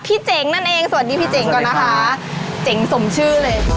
พี่เจ๋งนั่นเองสวัสดีพี่เจ๋งก่อนนะคะจั๋งสมชื่อเลยสวัสดีค่ะ